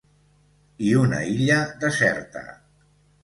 I una illa deserta.